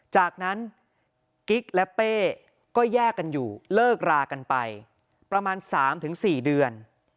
จากนั้นกิ๊กและเป้ก็แยกกันอยู่เลิกรากันไปประมาณ๓๔เดือน